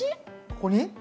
ここに？